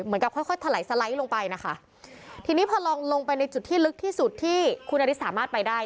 ค่อยค่อยถลายสไลด์ลงไปนะคะทีนี้พอลองลงไปในจุดที่ลึกที่สุดที่คุณอริสสามารถไปได้